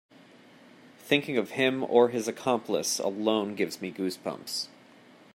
Thinking of him or his accomplice alone gives me goose bumps.